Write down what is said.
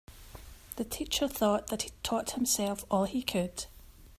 The teacher thought that he'd taught himself all he could.